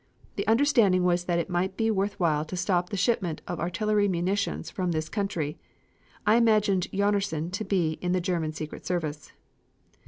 The understanding was that it might be worth while to stop the shipment of artillery munitions from this country. ... I imagined Jonnersen to be in the (German) secret service."